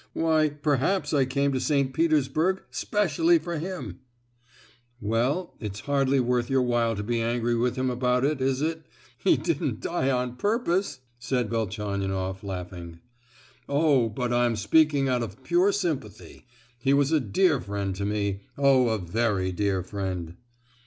why—perhaps I came to St. Petersburg specially for him!" "Well—it's hardly worth your while to be angry with him about it, is it—he didn't die on purpose!" said Velchaninoff laughing. "Oh, but I'm speaking out of pure sympathy—he was a dear friend to me! oh a very dear friend!"